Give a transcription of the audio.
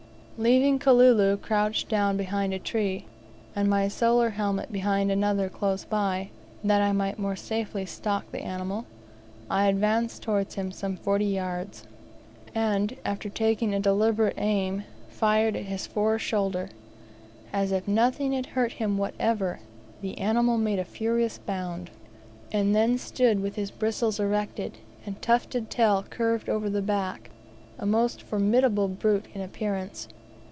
Leaving Kalulu crouched down behind a tree, and my solar helmet behind another close by that I might more safely stalk the animal I advanced towards him some forty yards, and after taking a deliberate aim, fired at his fore shoulder. As if nothing had hurt him whatever, the animal made a furious bound, and then stood with his bristles erected, and tufted tail, curved over the back a most formidable brute in appearance.